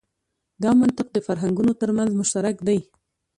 دا منطق د فرهنګونو تر منځ مشترک دی.